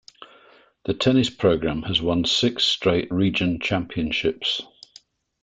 The tennis program has won six straight region championships.